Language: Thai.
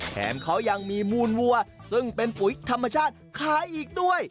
แถมเขายังมีมูลวัวซึ่งเป็นปุ๋ยธรรมชาติขายอีกด้วย